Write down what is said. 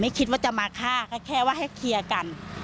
คิดว่าจะมาฆ่าก็แค่ว่าให้เคลียร์กัน